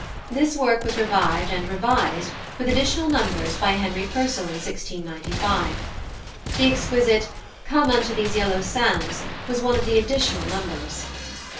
This work was revived and revised with additional numbers by +Henry Purcell+ in 1695. The exquisite "Come unto these yellow sands" was one of the additional numbers.